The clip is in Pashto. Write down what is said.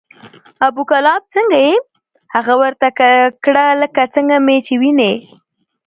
ابو کلاب څنګه یې؟ هغه ورته کړه لکه څنګه مې چې وینې،